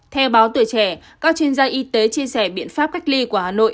theo báo tuổi trẻ các chuyên gia y tế chia sẻ biện pháp cách ly của hà nội